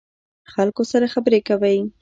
خلکو سره خبرې کوئ؟